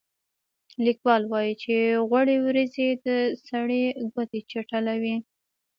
لیکوال وايي چې غوړې وریجې د سړي ګوتې چټلوي.